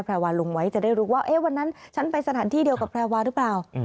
แพรวาลงไว้จะได้รู้ว่าวันนั้นฉันไปสถานที่เดียวกับแพรวาหรือเปล่า